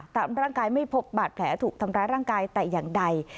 ตามร่างกายไม่พบบาดแผลถูกทำร้ายร่างกายแต่อย่างใด